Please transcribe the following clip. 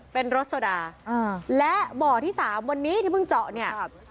เป็นรถโซดาและบ่อที่สามวันนี้ที่เพิ่งเจาะเนี่ยครับ